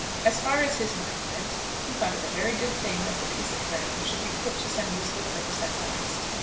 As far as his mind went he thought it a very good thing that the piece of ground should be put to some useful purpose at last.